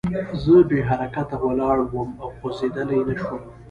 زه بې حرکته ولاړ وم او خوځېدلی نه شوم